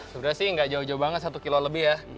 sebenarnya sih nggak jauh jauh banget satu kilo lebih ya